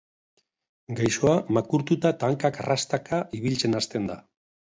Gaixoa makurtuta eta hankak arrastaka ibiltzen hasten da.